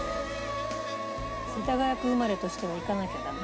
世田谷区生まれとしては行かなきゃだね。